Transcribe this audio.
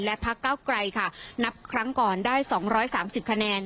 และพักเก้าไกลค่ะนับครั้งก่อนได้๒๓๐คะแนน